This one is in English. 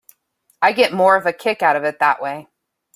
I get more of a kick out of it that way.